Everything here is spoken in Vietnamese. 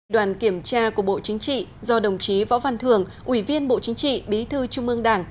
đoàn kiểm tra của bộ chính trị do đồng chí võ văn thường ủy viên bộ chính trị bí thư trung ương đảng